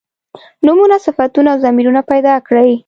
نومونه صفتونه او ضمیرونه پیدا کړي.